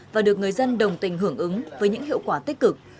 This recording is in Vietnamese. và được người dân đồng tình hưởng ứng với những hiệu quả tích cực